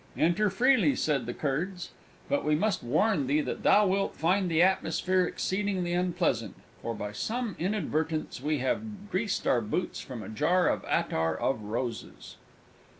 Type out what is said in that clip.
"Enter freely," said the Kurds, "but we must warn thee that thou wilt find the atmosphere exceedingly unpleasant for, by some inadvertence, we have greased our boots from a jar of Attar of Roses!"